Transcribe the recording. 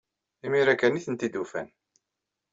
Imir-a kan ay tent-id-ufan.